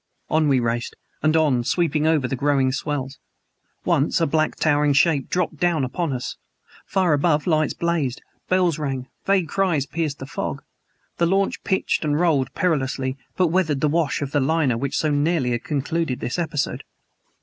On we raced, and on, sweeping over growing swells. Once, a black, towering shape dropped down upon us. Far above, lights blazed, bells rang, vague cries pierced the fog. The launch pitched and rolled perilously, but weathered the wash of the liner which so nearly had concluded this episode.